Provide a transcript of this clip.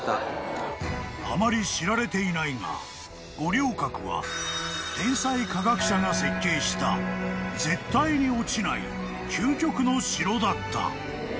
［あまり知られていないが五稜郭は天才科学者が設計した絶対に落ちない究極の城だった］